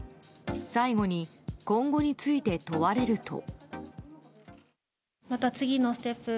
最後に今後について問われると。